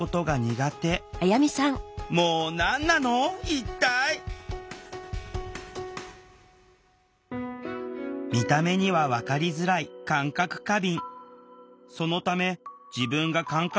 一体見た目には分かりづらい感覚過敏。